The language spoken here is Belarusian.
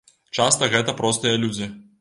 Часта гэта простыя людзі.